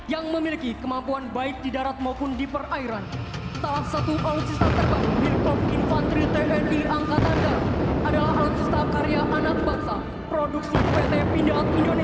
yang memiliki kemampuan baik di darat maupun di perairan